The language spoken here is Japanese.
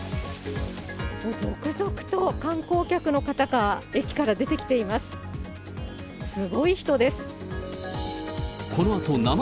続々と観光客の方が、駅から出てきています。